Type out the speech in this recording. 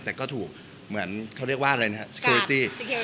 แต่ก็ถูกเหมือนเขาเรียกว่าอะไรนะครับค่ะก็ห้ามไว้ค่ะตอนนั้นพอเกิดเหตุการณ์ปุ๊บ